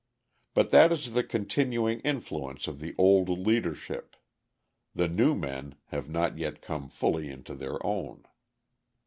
But that is the continuing influence of the old leadership; the new men have not yet come fully into their own.